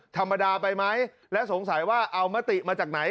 ธรรมดาไปไหมและสงสัยว่าเอามติมาจากไหน